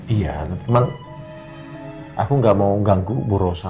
iya tapi aku nggak mau ganggu bu rosa